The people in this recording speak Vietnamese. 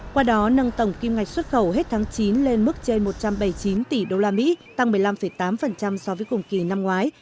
qua đó nâng tổng kim ngạch xuất khẩu hết tháng chín lên mức trên một trăm bảy mươi chín tỷ usd tăng một mươi năm tám so với cùng kỳ năm ngoái